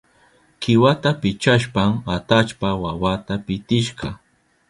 Kiwata pichashpan atallpa wawata pitishka.